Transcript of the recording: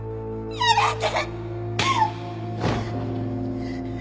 やめて！